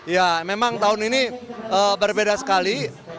ya memang tahun ini berbeda sekali